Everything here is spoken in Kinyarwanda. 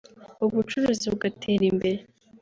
ubucuruzi bugatera imbere